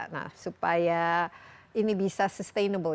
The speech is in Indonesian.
nah supaya ini bisa sustainable